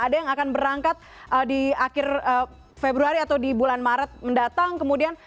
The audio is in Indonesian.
ada yang akan berangkat di akhir februari atau di bulan maret mendatang kemudian